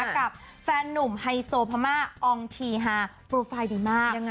กับแฟนนุ่มไฮโซพม่าอองทีฮาโปรไฟล์ดีมาก